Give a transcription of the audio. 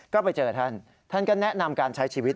ก็ไปเจอท่านท่านก็แนะนำการใช้ชีวิต